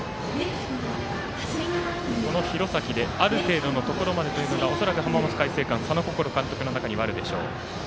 廣崎である程度のところまでというのが恐らく、浜松開誠館佐野心監督の中にはあるでしょう。